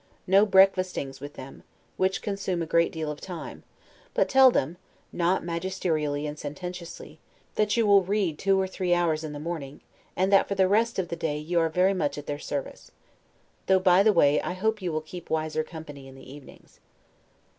No breakfastings with them, which consume a great deal of time; but tell them (not magisterially and sententiously) that you will read two or three hours in the morning, and that for the rest of the day you are very much at their service. Though, by the way, I hope you will keep wiser company in the evenings.